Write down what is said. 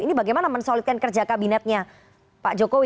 ini bagaimana mensolidkan kerja kabinetnya pak jokowi